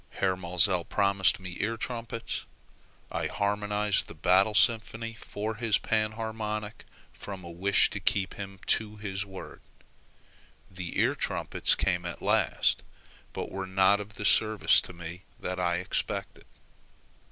Herr Maelzel promised me ear trumpets. I harmonized the "Battle Symphony" for his panharmonica from a wish to keep him to his word. The ear trumpets came at last, but were not of the service to me that I expected.